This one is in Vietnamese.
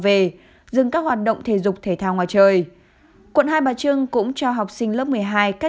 về dừng các hoạt động thể dục thể thao ngoài trời quận hai bà trưng cũng cho học sinh lớp một mươi hai các